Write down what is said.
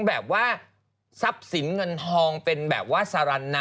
แบบว่าทรัพย์สินเงินทองเป็นแบบว่าสารนะ